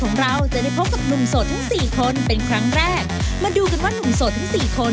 มาดูกันว่านุ่มโสดทั้งสี่คน